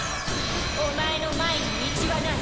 お前の前に道はない。